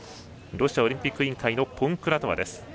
ロシアオリンピック委員会ポンクラトワ。